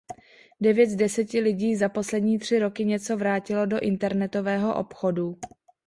Devět z deseti lidí za poslední tři roky něco vrátilo do internetového obchodu.